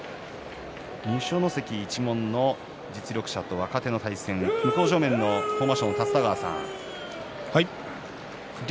二所ノ関一門の実力者と若手の対戦、向正面の豊真将の立田川さん竜